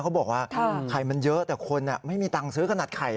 เขาบอกว่าไข่มันเยอะแต่คนไม่มีเงินซื้อกระหนักไข่